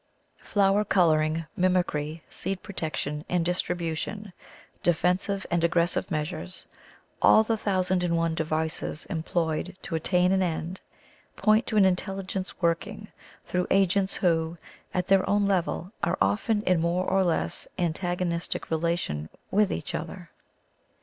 Flower colouring, mimicry, seed protection and distribution, defensive and aggressive measures, all the thousand and one devices employed to attain an end, point to an intelligence working through agents who, at their own level, are often in more or less antagonistic relation with each other.